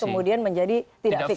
kemudian menjadi tidak fix